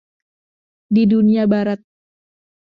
Di Dunia Barat.